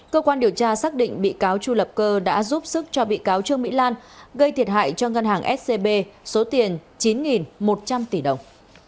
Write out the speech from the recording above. cơ quan điều tra xác định bị cáo chu lập cơ đã giúp sức cho bị cáo trương mỹ lan gây thiệt hại cho ngân hàng scb số tiền chín một trăm linh tỷ đồng